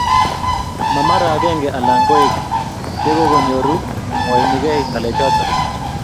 Ma mara akenge ana koeng che kukunyoru komwoinekei ngalechoto.